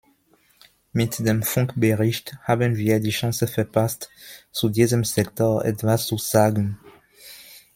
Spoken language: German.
Mit dem Funk-Bericht haben wir die Chance verpasst, zu diesem Sektor etwas zu sagen.